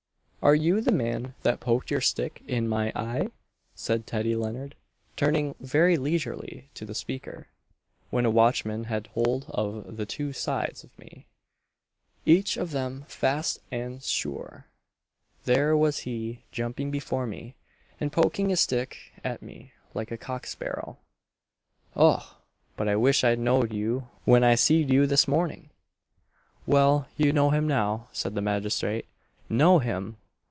"Are you the man that poked your stick in my eye?" said Teddy Leonard turning very leisurely to the speaker "When a watchman had hold of the two sides of me, each of 'em fast and sure; there was he jumping before me, and poking his stick at me like a cock sparrow. Och! but I wish I know'd you when I see'd you this morning!" "Well, you know him now," said the magistrate. "Know him!"